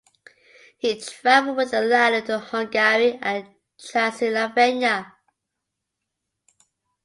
He traveled with the latter to Hungary and Transylvania.